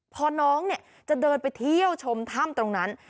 พอน้องจะเดินไปเที่ยวชมถ้ำตรงนั้น